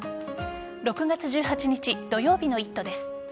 ６月１８日土曜日の「イット！」です。